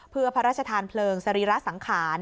เพื่อพระราชทานเพลิงสรีระสังขาร